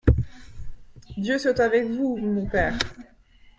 Dieu soit avec vous, mon père !